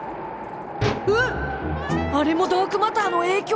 あれもダークマターの影響？